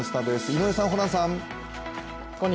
井上さん、ホランさん。